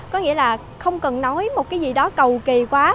có nghĩa là không cần nói một cái gì đó cầu kỳ quá